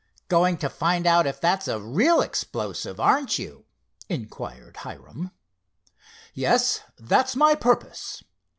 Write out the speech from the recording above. "Going to find out if that's a real explosive; aren't you?" inquired Hiram. "Yes, that's my purpose.